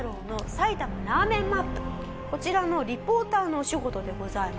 こちらのリポーターのお仕事でございます。